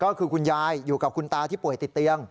ก็คือคุณยายอยู่กับคุณตาที่ป่วยติดเตียง